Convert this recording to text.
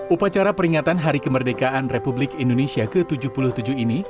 upacara peringatan hari kemerdekaan republik indonesia ke tujuh puluh tujuh ini